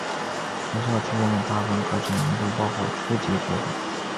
学校提供的大部分课程都包括初级部分。